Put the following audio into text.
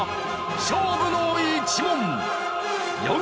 勝負の１問！